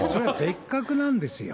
別格なんですよ。